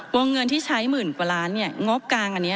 วงเงินที่ใช้หมื่นกว่าล้านเนี่ยงบกลางอันนี้